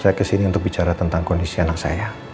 saya ke sini untuk bicara tentang kondisi anak saya